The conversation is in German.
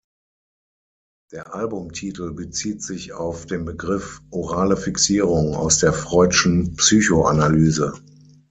Der Albumtitel bezieht sich auf den Begriff "orale Fixierung" aus der Freudschen Psychoanalyse.